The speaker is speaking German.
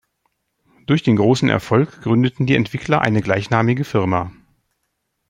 Durch den großen Erfolg gründeten die Entwickler eine gleichnamige Firma.